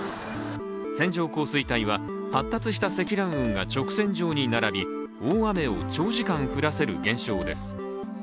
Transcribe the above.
線状降水帯は発達した積乱雲が直線上に並び大雨を長時間降らせる現象です。